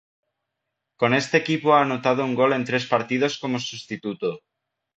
Con este equipo ha anotado un gol en tres partidos como sustituto.